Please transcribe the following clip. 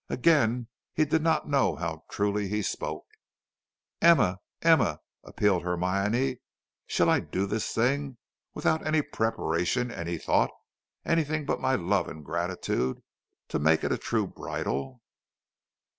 Again he did not know how truly he spoke. "Emma, Emma," appealed Hermione, "shall I do this thing, without any preparation, any thought, anything but my love and gratitude to make it a true bridal?"